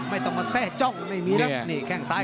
ไม่ต้องมาแทร่จ้องไม่มีนะครับ